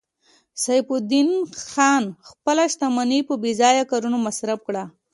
سیف الدین خان خپله شتمني په بې ځایه کارونو مصرف کړه